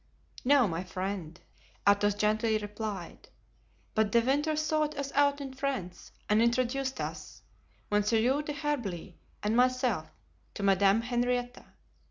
"No, my friend," Athos gently replied, "but De Winter sought us out in France and introduced us, Monsieur d'Herblay and myself, to Madame Henrietta.